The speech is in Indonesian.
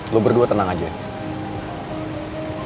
lo berdua tenang aja